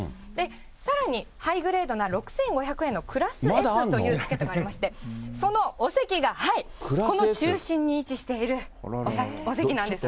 さらにハイグレードな６５００円のクラスＳというチケットもありまして、そのお席がこの中心に位置しているお席なんです。